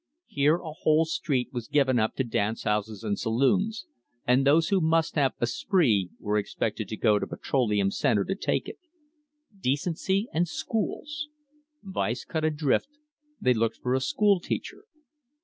Here a whole street was given up to dance houses and saloons, and those who must have a "spree" were expected to go to Petroleum Centre to take it. Decency and schools! Vice cut adrift, they looked for a school teacher.